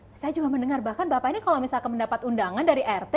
saya juga mendengar bahkan bapak ini kalau misalkan mendapat undangan dari rt